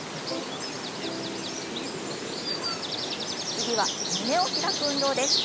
次は胸を開く運動です。